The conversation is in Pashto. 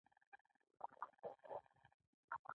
خور یې همداسې لاندې کتل، تر دې یو کال کشره ښکارېده.